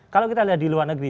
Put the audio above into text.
kalau kita lihat di luar negeri